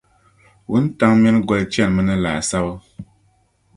Wuntaŋ’ mini goli chanimi ni laasabu.